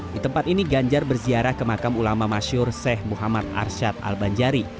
di tempat ini ganjar berziarah ke makam ulama masyur sheikh muhammad arsyad al banjari